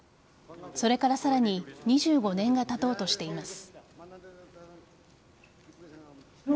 それからさらに２５年がたとうとしています。